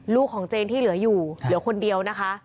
ลูกของเจนที่เหลืออยู่เหลือคนเดียวนะคะ